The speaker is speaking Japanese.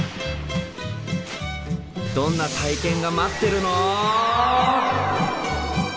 どんな体験が待ってるの？